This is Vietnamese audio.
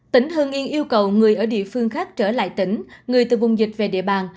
tỉnh hưng yên yêu cầu người ở địa phương khác trở lại tỉnh người từ vùng dịch về địa bàn